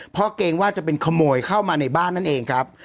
เพราะเกรงว่าจะเป็นขโมยเข้ามาในบ้านนั่นเองครับ